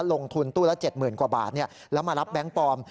ลงทุนตู้ละ๗๐๐กว่าบาทแล้วมารับแก๊งปลอม